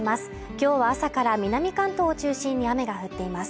今日は朝から南関東を中心に雨が降っています